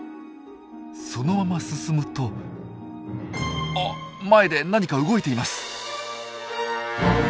そのまま進むとあっ前で何か動いています！